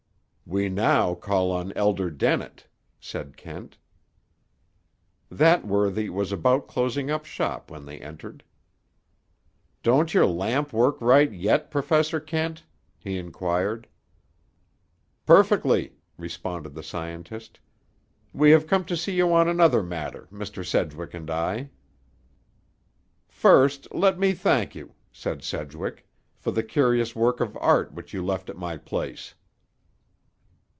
"We now call on Elder Dennett," said Kent. That worthy was about closing up shop when they entered. "Don't your lamp work right, yet, Professor Kent?" he inquired. "Perfectly," responded the scientist. "We have come to see you on another matter, Mr. Sedgwick and I." "First, let me thank you," said Sedgwick, "for the curious work of art which you left at my place."